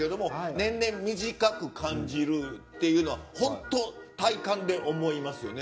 年々短く感じるっていうのはほんと体感で思いますよね。